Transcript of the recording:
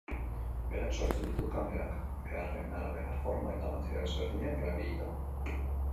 Berak sortzen ditu kamerak, beharren arabera forma eta material ezberdinak erabilita.